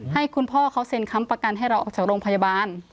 ให้คุณพ่อเขาเซ็นค้ำประกันให้เราออกจากโรงพยาบาล